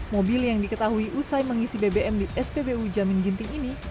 mobil yang diketahui usai mengisi bbm di spbu jamin ginting ini